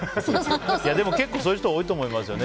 でも、そういう人多いと思いますね。